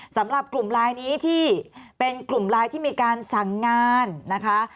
สำหรับกลุ่มลายนี้ที่เป็นกลุ่มไลน์ที่มีการสั่งงานนะคะ